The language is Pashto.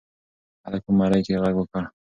هلک په مرۍ کې غږ وکړ.